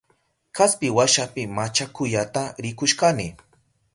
Kaspi washapi machakuyata rikushkani.